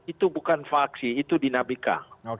itu bukan vaksi itu dinamika